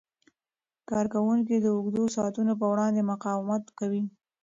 کارکوونکي د اوږدو ساعتونو په وړاندې مقاومت کوي.